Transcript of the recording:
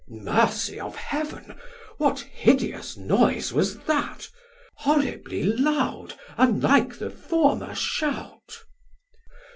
Mercy of Heav'n what hideous noise was that! Horribly loud unlike the former shout.